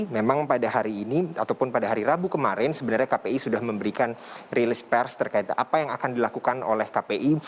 memang pada hari ini ataupun pada hari rabu kemarin sebenarnya kpi sudah memberikan rilis pers terkait apa yang akan dilakukan oleh kpi